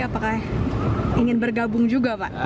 apakah ingin bergabung juga pak